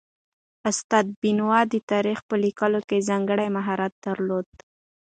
استاد بینوا د تاریخ په لیکلو کې ځانګړی مهارت درلود